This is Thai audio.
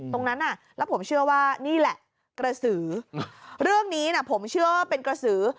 ตรงนั้นแล้วผมเชื่อว่านี่แหละกระสือเรื่องนี้นะผมเชื่อว่าเป็นกระสือ